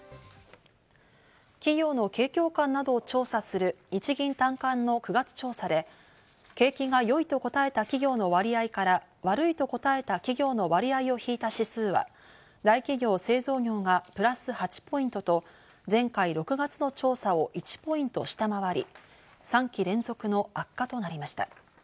企業の景況感などを調査する日銀短観の９月調査で、景気が良いと答えた企業の割合から悪いと答えた企業の割合を引いた指数は、大企業・製造業がプラス８ポイントと前回６月の調査を１ポイント下回り、３期連続の悪化となりました。